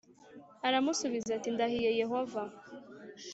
Aramusubiza ati “ndahiye Yehova”